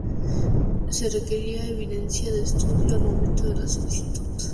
Se requerirá evidencia de estudio al momento de la solicitud.